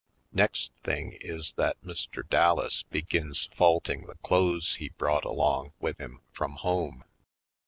Next thing is that Mr. Dallas begins faulting the clothes he brought along with him from home.